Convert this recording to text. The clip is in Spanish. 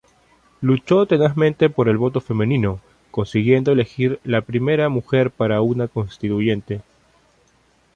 Luchó tenazmente por el voto femenino, consiguiendo elegir la primera mujer para una Constituyente.